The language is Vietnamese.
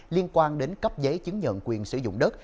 liên quan đến cấp giấy chứng nhận quyền sử dụng đất